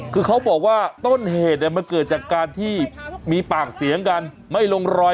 คือเขาบอกว่าต้นเหตุนั้นมันเกิดจากการที่มีปากเสียงกัน